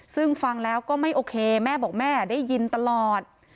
ซึ่งฟังแล้วก็ไม่โอเคแม่บอกแม่ได้ยินตลอด